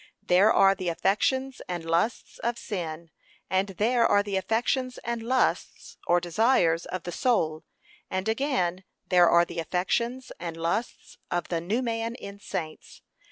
There are the affections and lusts of sin; and there are the affections and lusts, or desires of the soul; and again, there are the affections and lusts of the new man in saints.